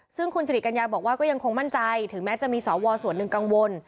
ซึ่งคุณสิริกัญญาบอกว่าก็ยังคงมั่นใจถึงแม้จะมีสวส่วนหนึ่งกังวล